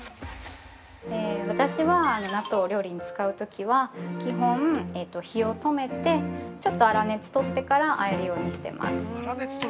◆私は納豆をお料理に使うときは、基本、火を止めてちょっと粗熱を取ってからあえるようにしています。